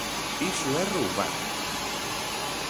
Iso é roubar.